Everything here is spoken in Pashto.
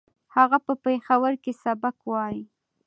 هغه په پېښور کې سبق وايي